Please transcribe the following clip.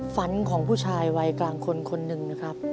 ฝันของผู้ชายวัยกลางคนคนหนึ่งนะครับ